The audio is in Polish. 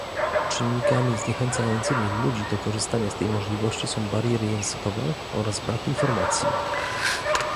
Czynnikami zniechęcającymi ludzi do korzystania z tej możliwości są bariery językowe oraz brak informacji